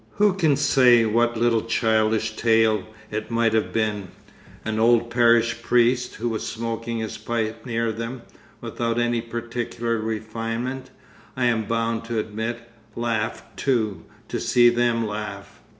Who can say what little childish tale it may have been? An old parish priest, who was smoking his pipe near them without any particular refinement, I am bound to admit laughed, too, to see them laugh.